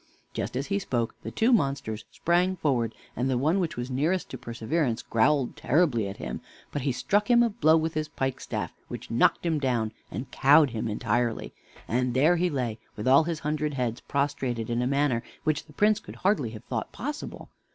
Just as he spoke, the two monsters sprang forward, and the one which was nearest to Perseverance growled terribly at him; but he struck him a blow with his pikestaff, which knocked him down and cowed him entirely; and there he lay, with all his hundred heads prostrated in a manner which the Prince could hardly have thought possible.